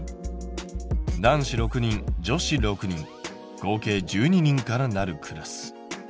男子６人女子６人合計１２人からなるクラス。